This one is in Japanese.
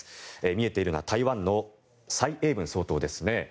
見えているのは台湾の蔡英文総統ですね。